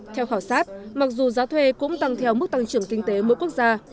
theo khảo sát mặc dù giá thuê cũng tăng theo mức tăng trưởng kinh tế mỗi quốc gia